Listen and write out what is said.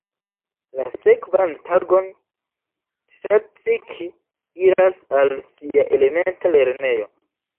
La sekvan tagon Tsatsiki iras al sia elementa lernejo.